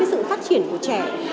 sự phát triển của trẻ